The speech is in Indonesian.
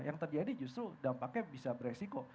yang terjadi justru dampaknya bisa beresiko